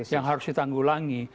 yang harus ditanggulangi